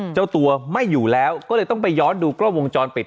เจ้าตัวไม่อยู่แล้วก็เลยต้องไปย้อนดูกล้องวงจรปิด